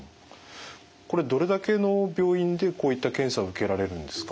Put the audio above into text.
これどれだけの病院でこういった検査を受けられるんですか？